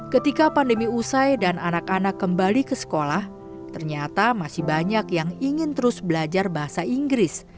ketika pandemi usai dan anak anak kembali ke sekolah ternyata masih banyak yang ingin terus belajar bahasa inggris